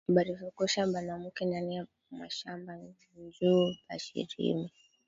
Barifukusha banamuke ndani ya mashamba njuu bashi rime